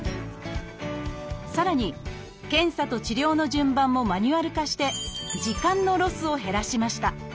さらに検査と治療の順番もマニュアル化して時間のロスを減らしました。